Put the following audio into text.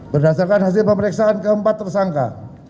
berdasarkan hasil pemeriksaan keempat tersangka